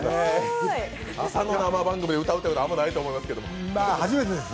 朝の生番組で歌うってことはあんまりないと思うんですけど。